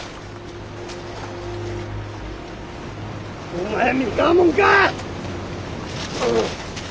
お前三河もんか！